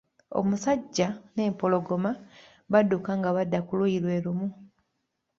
Omusajja n'empologoma badduka nga badda ku luuyi lwe lumu.